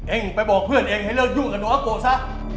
เองไปบอกเพื่อนเองให้เลิกยุ่งกับน้องโกซะ